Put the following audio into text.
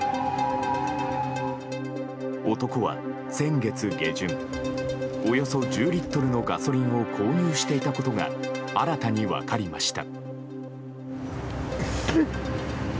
男は、先月下旬およそ１０リットルのガソリンを購入していたことが新たに分かりました。